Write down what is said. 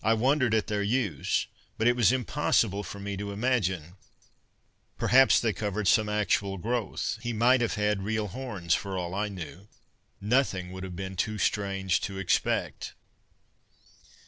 I wondered at their use, but it was impossible for me to imagine. Perhaps they covered some actual growth; he might have had real horns for all I knew. Nothing would have been too strange to expect.